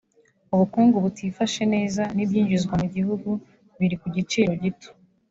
ubukungu butifashe neza n’ibyinjizwa mu gihugu biri ku giciro gito